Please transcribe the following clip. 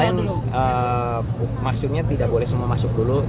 ini dipolis lain maksudnya tidak boleh semua masuk dulu